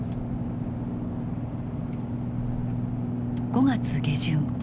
５月下旬。